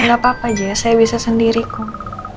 gak apa apa jess saya bisa sendiri kok